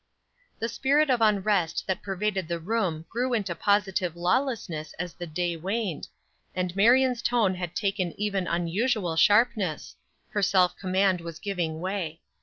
The spirit of unrest that pervaded the room grew into positive lawlessness as the day waned, and Marion's tone had taken even unusual sharpness; her self command was giving way.